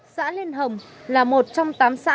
xã liên hồng là một trong tám xã